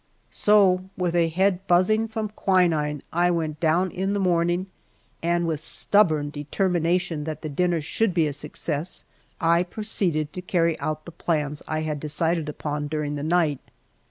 So with a head buzzing from quinine I went down in the morning, and with stubborn determination that the dinner should be a success, I proceeded to carry out the plans I had decided upon during the night.